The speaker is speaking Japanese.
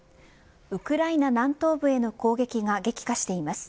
ウクライナ南東部への攻撃が激化しています。